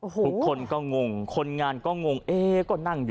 สวัสดีครับ